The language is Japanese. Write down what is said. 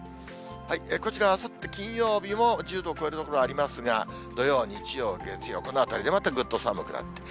こちら、あさって金曜日も１０度を超える所がありますが、土曜、日曜、月曜、このあたりでまたぐっと寒くなる。